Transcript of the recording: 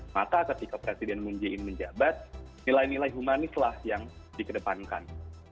maka ketika presiden moon jae in menjabat nilai nilai humanislah yang dikedepankan